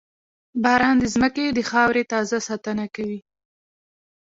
• باران د زمکې د خاورې تازه ساتنه کوي.